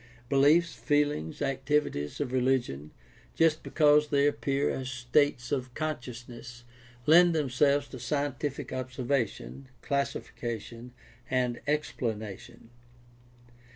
Beliefs, feelings, activities of religion, just because they appear as states of consciousness, lend themselves to scientific observation, classi fication, and explanation.